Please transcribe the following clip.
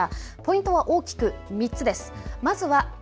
ポイントは大きく３つです。